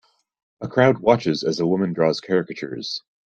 A crowd watches as a woman draws caricatures.